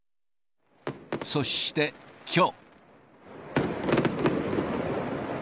そして、きょう。